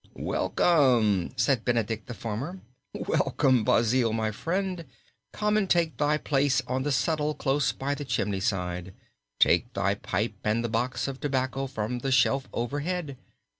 "Welcome," said Benedict the farmer, "welcome, Basil, my friend. Come and take thy place on the settle close by the chimney side. Take thy pipe and the box of tobacco from the shelf overhead.